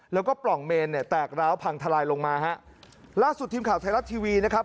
แล้วก็ปล่องเมนเนี่ยแตกร้าวพังทลายลงมาฮะล่าสุดทีมข่าวไทยรัฐทีวีนะครับ